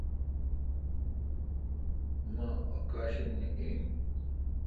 می اکاشم می این۔